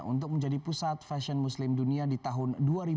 untuk menjadi pusat fashion muslim dunia di tahun dua ribu dua puluh